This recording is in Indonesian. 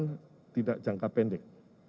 kita tidak jangka pendek